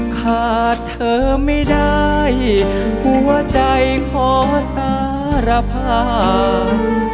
ขาดเธอไม่ได้หัวใจขอสารภาพ